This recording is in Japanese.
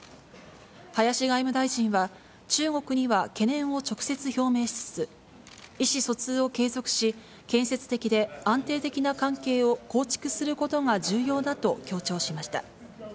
林外務大臣は、中国には懸念を直接表明しつつ、意思疎通を継続し、建設的で安定的な関係を構築することが重要だと強調しました。